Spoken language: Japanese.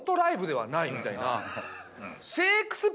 みたいな。